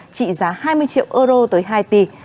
trị giá hai mươi triệu euro tới haiti